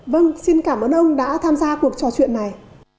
vâng xin cảm ơn ông đã tham gia cuộc trò chuyện này